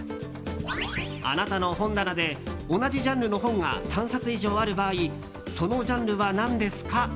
あなたの本棚で同じジャンルの本が３冊以上ある場合そのジャンルは何ですか？